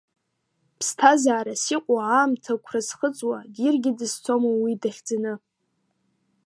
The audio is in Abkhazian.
Ԥсҭазаарас иҟоу аамҭа қәра зхыҵуа, диргьы дызцома уи дахьӡаны.